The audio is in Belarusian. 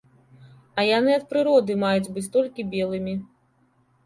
А яны ад прыроды маюць быць толькі белымі.